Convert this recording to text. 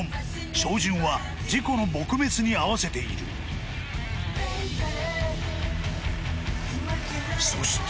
照準は事故の撲滅に合わせているそしてまた１台